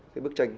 cái bức tranh